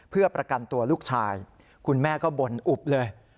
เพื่อประกันตัวลูกชายคุณแม่ก็บ่นอุบเลย